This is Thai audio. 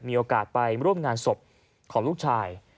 มีโอกาสไปร่วมงานศพของลูกชาย